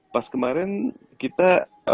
pas kemarin kita